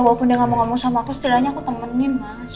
walaupun dia gak mau ngomong sama aku setidaknya aku temenin mas